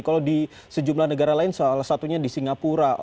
kalau di sejumlah negara lain salah satunya di singapura